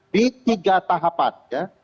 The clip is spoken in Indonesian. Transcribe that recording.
di tiga tahapan